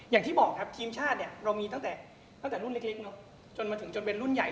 อย่างที่บอกครับทีมชาติเนี่ยเรามีตั้งแต่ตั้งแต่รุ่นเล็กจนมาถึงจนเป็นรุ่นใหญ่